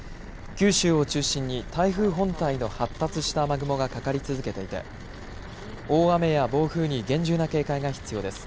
九州を中心に台風本体の発達した雨雲がかかり続けていて大雨や暴風に厳重な警戒が必要です。